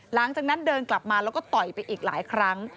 หลังจากนั้นเดินกลับมาแล้วก็ต่อยไปอีกหลายครั้ง